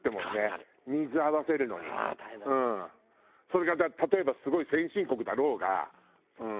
それが例えばすごい先進国だろうがうん。